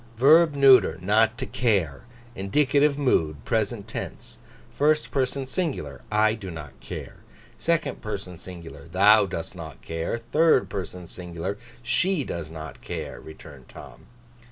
'Verb neuter, not to care. Indicative mood, present tense. First person singular, I do not care; second person singular, thou dost not care; third person singular, she does not care,' returned Tom.